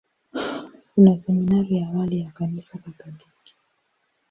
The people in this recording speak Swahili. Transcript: Kuna seminari ya awali ya Kanisa Katoliki.